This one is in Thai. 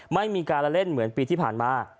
ไม่มีการละเล่นเหมือนปีที่ผ่านมา